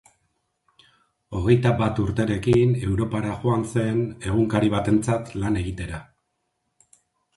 Hogeita bat urterekin Europara joan zen egunkari batentzat lan egitera.